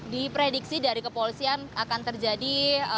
di prediksi dari kepolisian akan terjadi